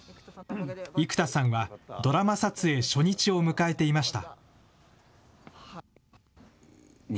生田さんは、ドラマ撮影初日を迎えていました。